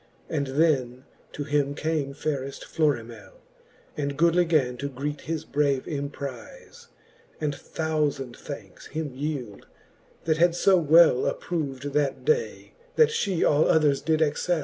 And then to him came fayreft FlorimelU And goodly gan to greet his brave emprife, And thoufand thankes him yeeld, that had fo well Approv'd that day, that fhe all others did excell.